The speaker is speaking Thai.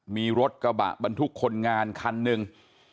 มีรถกระบะบรรทุกคนงานคันหนึ่ง